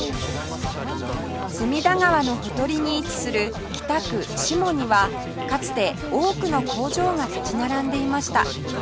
隅田川のほとりに位置する北区志茂にはかつて多くの工場が立ち並んでいました